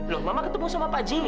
loh mama ketemu sama pak jili